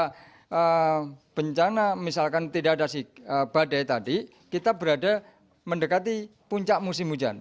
karena bencana misalkan tidak ada badai tadi kita berada mendekati puncak musim hujan